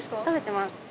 食べてます。